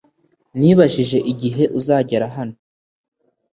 Nibajije igihe uzagera hano